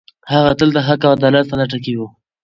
هغه تل د حق او عدالت په لټه کې و.